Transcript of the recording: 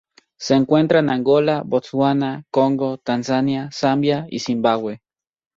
Se encuentra en Angola, Botsuana, Congo, Tanzania, Zambia y Zimbabue.